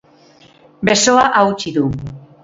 Besoa hautsi du.